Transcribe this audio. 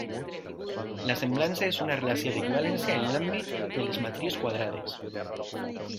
La semblança és una relació d'equivalència en l'àmbit de les matrius quadrades.